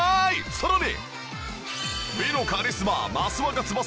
さらに。